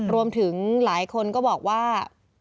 รวมถึงหลายคนก็บอกว่า